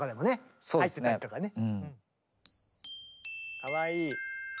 かわいい。